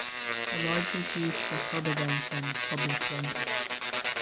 The lodge was used for club events and public rentals.